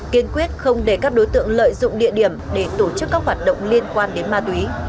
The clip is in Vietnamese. kiên quyết không để các đối tượng lợi dụng địa điểm để tổ chức các hoạt động liên quan đến ma túy